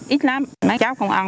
ít lắm mấy cháu không ăn